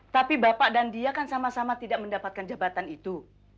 tapi bapak dan dia kan sama sama tidak mendapatkan jabatan itu